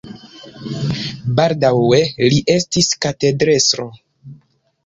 Baldaŭe li estis katedrestro.